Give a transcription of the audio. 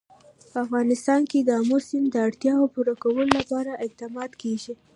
په افغانستان کې د آمو سیند د اړتیاوو پوره کولو لپاره اقدامات کېږي.